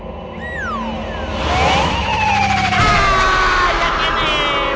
ah yang ini